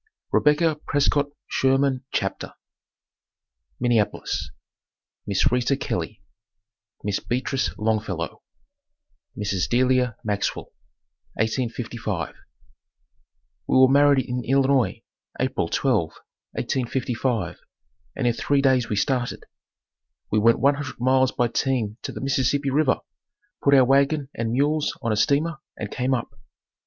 REBECCA PRESCOTT SHERMAN CHAPTER Minneapolis MISS RITA KELLEY MISS BEATRICE LONGFELLOW Mrs. Delilah Maxwell 1855. We were married in Illinois, April 12, 1855 and in three days we started. We went one hundred miles by team to the Mississippi river, put our wagon and mules on a steamer, and came up.